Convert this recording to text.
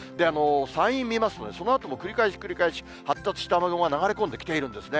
山陰見ますと、そのあとも繰り返し繰り返し、発達した雨雲が流れ込んできているんですね。